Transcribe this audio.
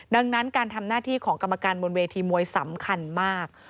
ดังนั้นการทำหน้าที่ของกรรมการบนเวทีมวยสำคัญมาก